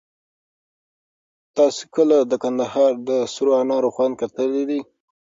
تاسو کله د کندهار د سرو انار خوند کتلی دی؟